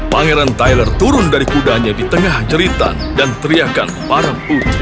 pangeran tyler turun dari kudanya di tengah jeritan dan teriakan para uk